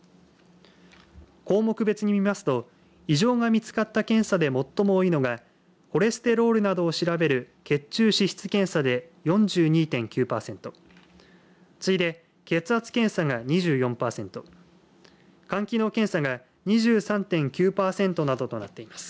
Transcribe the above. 項目別に見ますと異常が見つかった検査で最も多いのがコレステロールなどを調べる血中脂質検査で４２．９パーセント次いで血圧検査が２４パーセント肝機能検査が２３．９パーセントなどとなっています。